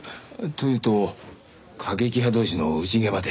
というと過激派同士の内ゲバで？